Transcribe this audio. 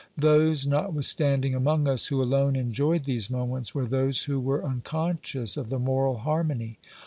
Those notwithstanding among us who alone enjoyed these moments were those who were unconscious of the moral harmony.